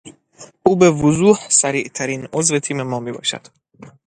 او به وضوح سریعترین عضو تیم ما میباشد.